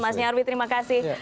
mas nyarwi terima kasih